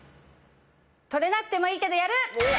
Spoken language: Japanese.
取れなくてもいいけどやる！